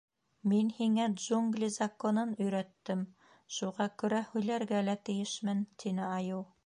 — Мин һиңә Джунгли Законын өйрәттем, шуға күрә һөйләргә лә тейешмен, — тине айыу.